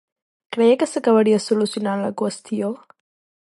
Creia que s'acabaria solucionant la qüestió?